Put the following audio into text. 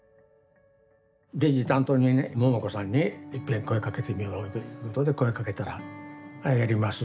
レジ担当にねももこさんにいっぺん声かけてみようということで声かけたら「あっやります」